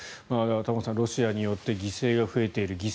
玉川さん、ロシアによって犠牲が増えている。